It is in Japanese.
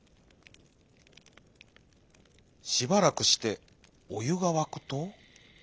しばらくしておゆがわくと。